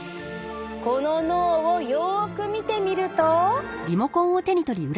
この脳をよく見てみると。